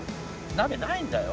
鍋ないんだよ。